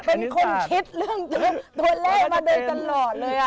เป็นคนคิดเรื่องตัวเลขมาโดยตลอดเลย